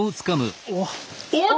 おっ！